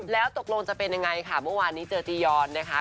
แล้วตกลงจะเป็นยังไงค่ะเมื่อวานนี้เจอจียอนนะคะ